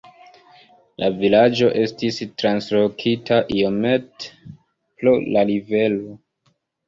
La vilaĝo estis translokita iomete pro la rivero.